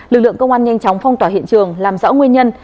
lực lượng công an nhanh chóng phong tỏa hiện trường làm rõ nguyên nhân